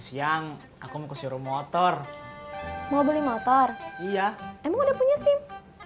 siang aku mau ke suruh motor mau beli motor iya emang udah punya sim